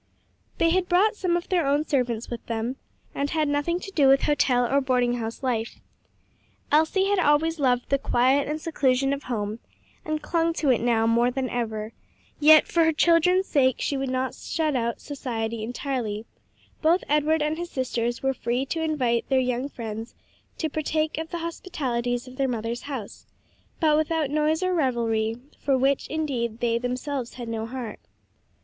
They had brought some of their own servants with them, and had nothing to do with hotel or boarding house life. Elsie had always loved the quiet and seclusion of home, and clung to it now, more than ever; yet for her children's sake she would not shut out society entirely; both Edward and his sisters were free to invite their young friends to partake of the hospitalities of their mother's house, but without noise or revelry, for which indeed, they themselves had no heart.